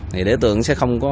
thì đối tượng sẽ không có